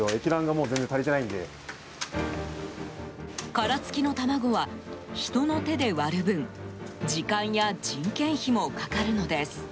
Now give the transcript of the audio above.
殻付きの卵は人の手で割る分時間や人件費もかかるのです。